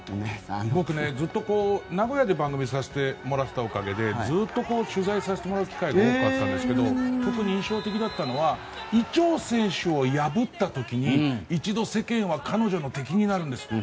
僕、ずっと名古屋で番組をさせてもらっていたおかげでずっと取材させてもらう機会が多かったんですけど特に印象的だったのは伊調選手を破った時に一度、世間は彼女の敵になるんです。